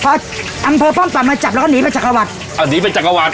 พออำเภอป้อมป่ามาจับแล้วก็หนีไปจักรวรรดิอ่าหนีไปจักรวรรดิ